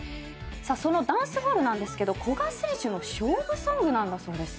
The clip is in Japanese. その『ダンスホール』なんですけど古賀選手の勝負ソングなんだそうです。